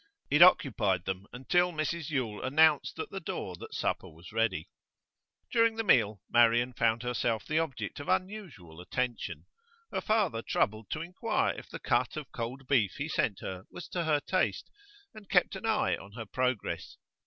It occupied them until Mrs Yule announced at the door that supper was ready. During the meal Marian found herself the object of unusual attention; her father troubled to inquire if the cut of cold beef he sent her was to her taste, and kept an eye on her progress.